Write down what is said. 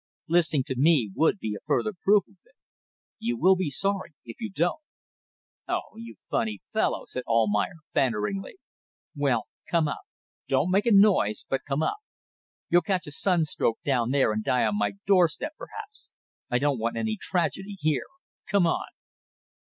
"Listening to me would be a further proof of it. You will be sorry if you don't." "Oh, you funny fellow!" said Almayer, banteringly. "Well, come up. Don't make a noise, but come up. You'll catch a sunstroke down there and die on my doorstep perhaps. I don't want any tragedy here. Come on!"